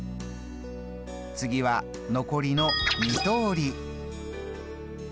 次は残りの２通り。